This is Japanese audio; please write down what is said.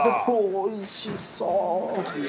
おいしそう。